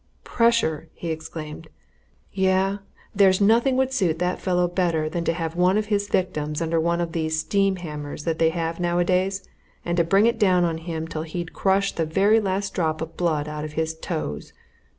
"Pressure!" he exclaimed. "Yah! there's nothing would suit that fellow better than to have one of his victims under one of those steam hammers that they have nowadays, and to bring it down on him till he'd crushed the last drop of blood out of his toes!